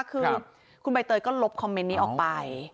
คือคุณใบเตยก็ลบคอมเมนต์นี้ออกไป